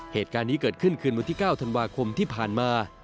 เหตุการณ์นี้เกิดขึ้นคืนวันที่๙ธันวาคมที่ผ่านมา